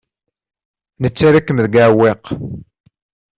Nettarra-kem deg uɛewwiq.